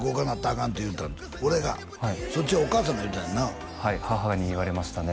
かんって言うた俺がそっちはお母さんが言うたんやなはい母に言われましたね